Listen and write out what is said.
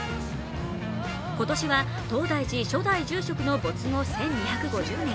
今年は東大寺、初代住職の没後１２５０年。